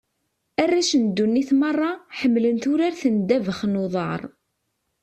Arrac n ddunit merra, ḥemmlen turart n ddabax n uḍar.